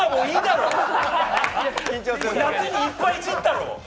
もう、いっぱいいじったろ！